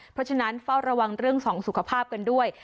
เพราะฉะนั้นเฝ้าระวังเรื่องของสุขภาพกันด้วย